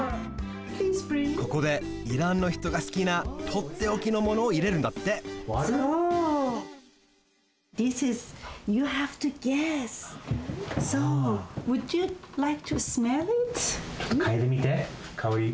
ここでイランの人がすきなとっておきのものを入れるんだってちょっとかいでみてかおり。